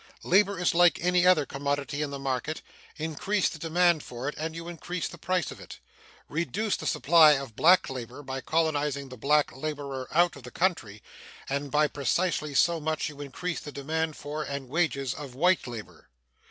Labor is like any other commodity in the market increase the demand for it and you increase the price of it. Reduce the supply of black labor by colonizing the black laborer out of the country, and by precisely so much you increase the demand for and wages of white labor.